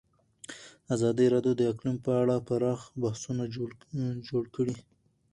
ازادي راډیو د اقلیم په اړه پراخ بحثونه جوړ کړي.